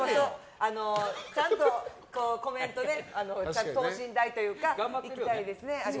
ちゃんとコメントで等身大でいたいですね。